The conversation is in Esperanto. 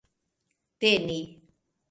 teni